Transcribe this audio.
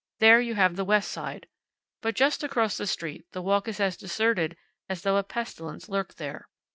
There you have the west side. But just across the street the walk is as deserted as though a pestilence lurked there.